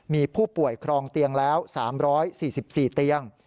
มีผู้ป่วยครองเตียงแล้ว๓๔๔เตียง